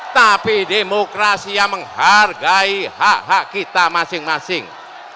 tapi demokrasi yang menghargai hak hak kita masing masing